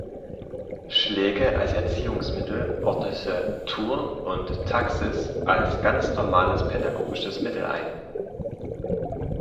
Schläge als Erziehungsmittel ordnete Thurn und Taxis als "ganz normales pädagogisches Mittel" ein.